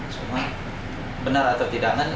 semua benar atau tidak kan